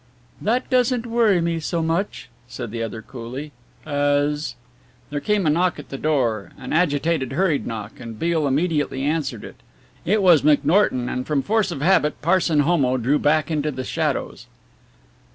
"That doesn't worry me so much," said the other coolly, "as " There came a knock at the door, an agitated hurried knock, and Beale immediately answered it. It was McNorton, and from force of habit Parson Homo drew back into the shadows.